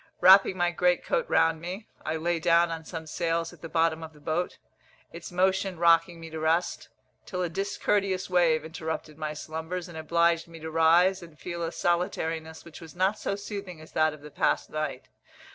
Wrapping my great coat round me, I lay down on some sails at the bottom of the boat, its motion rocking me to rest, till a discourteous wave interrupted my slumbers, and obliged me to rise and feel a solitariness which was not so soothing as that of the past night.